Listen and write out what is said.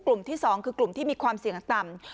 กลุ่มที่สองคือกลุ่มที่มีความเสี่ยงต่ำ